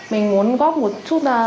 mình muốn góp một chút